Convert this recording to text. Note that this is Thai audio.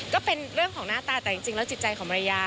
ก็เป็นเรื่องของหน้าตาแต่จริงแล้วจิตใจของภรรยา